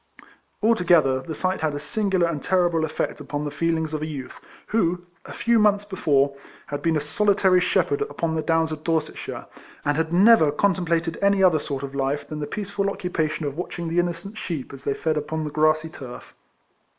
Altogether, ' the sight had a singular and terrible eff'ectupon the feelings of a youth, who, a few short months before, had been a solitary shepherd upon the Downs of Dorset shire, and had never contemplated any other sort of life than the peaceful occupation of 56 KECOLLECTIONS OF watching the innocent sheep as they fed upon the grassy turf.